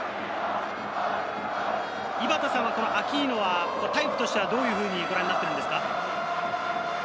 アキーノはタイプとしてはどういうふうにご覧になっていますか？